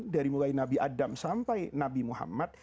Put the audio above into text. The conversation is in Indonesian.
dari mulai nabi adam sampai nabi muhammad